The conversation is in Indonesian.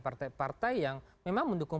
partai partai yang memang mendukung